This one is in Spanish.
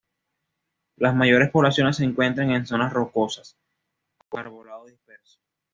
Las mayores poblaciones se encuentran en zonas rocosas, con arbolado disperso.